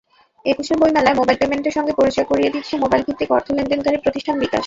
একুশের বইমেলায় মোবাইল পেমেন্টের সঙ্গে পরিচয় করিয়ে দিচ্ছে মোবাইলভিত্তিক অর্থলেনদেনকারী প্রতিষ্ঠান বিকাশ।